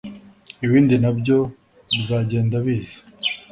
ibindi nabyo bizagenda biza